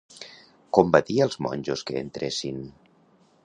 Com va dir als monjos que entressin?